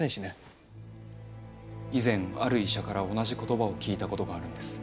以前ある医者から同じ言葉を聞いたことがあるんです。